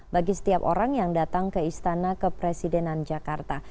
bagi setiap orang yang datang ke istana kepresidenan jakarta